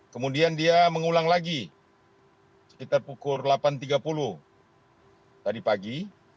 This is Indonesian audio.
kemudian dia mengulang lagi sekitar pukul delapan tiga puluh tadi pagi